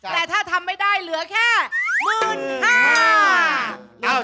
แต่ถ้าทำไม่ได้เหลือแค่๑๕๐๐บาท